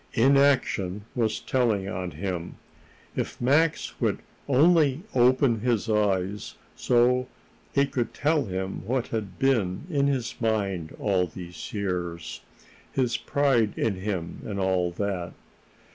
Inaction was telling on him. If Max would only open his eyes, so he could tell him what had been in his mind all these years his pride in him and all that.